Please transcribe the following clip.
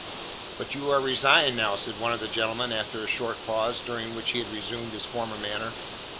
'But you are resigned now!' said one of the gentlemen after a short pause, during which he had resumed his former manner.